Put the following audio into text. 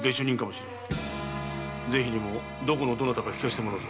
ぜひにもどこのどなたか聞かせてもらうぞ。